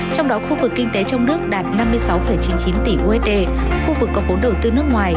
trong đó khu vực kinh tế trong nước đạt năm mươi sáu chín mươi chín tỷ usd khu vực có vốn đầu tư nước ngoài